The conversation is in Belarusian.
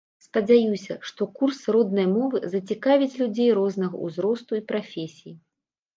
Спадзяюся, што курс роднай мовы зацікавіць людзей рознага ўзросту і прафесій.